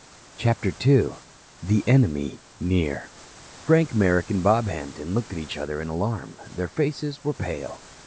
CHAPTER II THE ENEMY NEAR Frank Merrick and Bob Hampton looked at each other in alarm. Their faces were pale.